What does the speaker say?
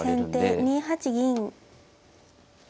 先手２八銀。